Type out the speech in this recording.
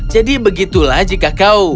jadi begitulah jika kau